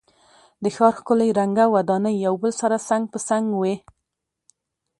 د ښار ښکلی رنګه ودانۍ یو بل سره څنګ په څنګ وې.